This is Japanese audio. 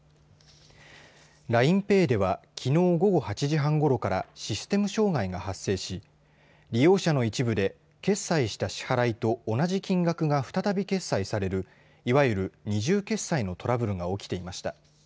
ＬＩＮＥＰａｙではきのう午後８時半ごろからシステム障害が発生し利用者の一部で決済した支払いと同じ金額が再び決済されるいわゆる二重決済のトラブルが起きていました。